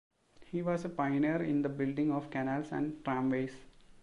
He was a pioneer in the building of canals and tramways.